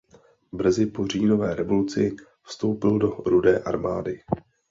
Brzy po Říjnové revoluci vstoupil do Rudé armády.